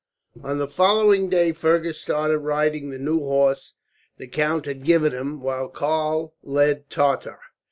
On the following day Fergus started, riding the new horse the count had given him, while Karl led Tartar.